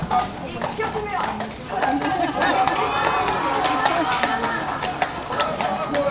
１曲目は「トラ・トラ・トラ」。